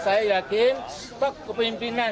saya yakin stok kepemimpinan